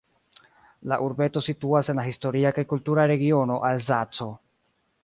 La urbeto situas en la historia kaj kultura regiono Alzaco.